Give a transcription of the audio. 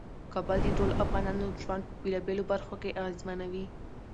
کابل د ټولو افغانانو ژوند په بیلابیلو برخو کې اغیزمنوي.